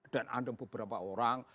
dan ada beberapa orang